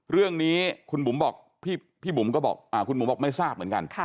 เรื่องนี้คุณบุ๋มบอกพี่บุ๋มก็บอกคุณบุ๋มบอกไม่ทราบเหมือนกัน